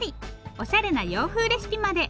おしゃれな洋風レシピまで。